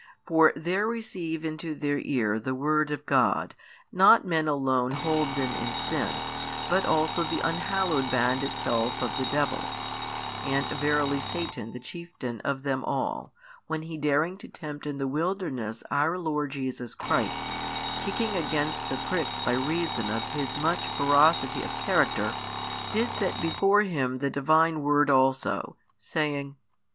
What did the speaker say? For |667 there receive into their ear the word of God, not men alone holden in sin, but also the unhallowed band itself of the devils: and verily Satan the chieftain of them all, when he daring to tempt in the wilderness our Lord Jesus Christ, kicking against the pricks by reason of his much ferocity of character, did set before Him the Divine word also, saying.